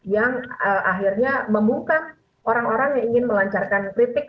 yang akhirnya membuka orang orang yang ingin melancarkan kritik